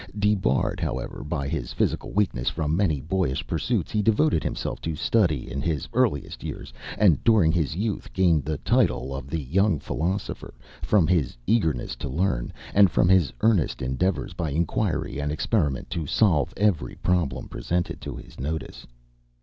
Debarred, however, by his physical weakness from many boyish pursuits, he devoted himself to study in his earliest years, and during his youth gained the title of the young philosopher, from his eagerness to learn, and from his earnest endeavors by inquiry and experiment to solve every problem presented to his notice.